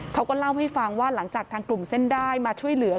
เขาก็เล่าให้ฟังว่าหลังจากทางกลุ่มเส้นได้มาช่วยเหลือ